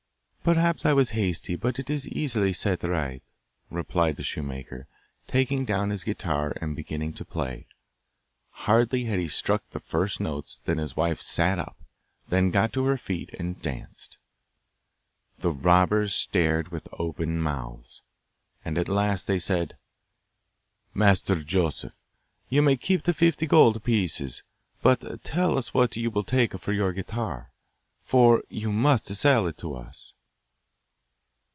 'Perhaps I was hasty, but it is easily set right,' replied the shoemaker, taking down his guitar and beginning to play. Hardly had he struck the first notes than his wife sat up; then got on her feet and danced. The robbers stared with open mouths, and at last they said, 'Master Joseph, you may keep the fifty gold pieces. But tell us what you will take for your guitar, for you must sell it to us?